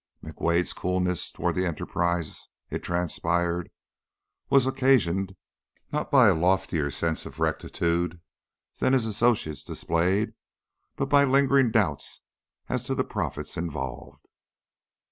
McWade's coolness toward the enterprise, it transpired, was occasioned not by a loftier sense of rectitude than his associates displayed, but by lingering doubts as to the profits involved.